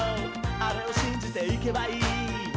あれをしんじていけばいい」